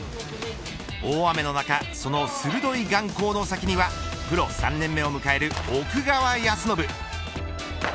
大雨の中その鋭い眼光の先にはプロ３年目を迎える奥川恭伸。